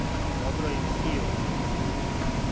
Добро им је пиво.